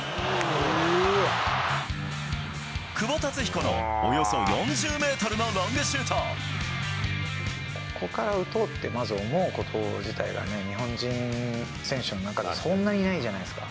久保竜彦のおよそ４０メートルのここから打とうって、まず思うこと自体がね、日本人選手の中でそんなにいないじゃないですか。